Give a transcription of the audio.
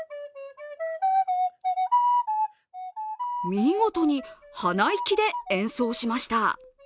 見事に鼻息で演奏しました。